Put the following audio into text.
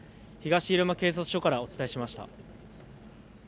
東入間警察署からお伝えしました。